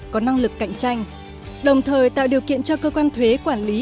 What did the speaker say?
có năng lực cạnh tranh đồng thời tạo điều kiện cho cơ quan thuế quản lý